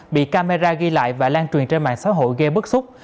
bị camera ghi lại và lan truyền trên mạng xã hội gây bức xúc